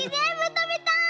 たべたい！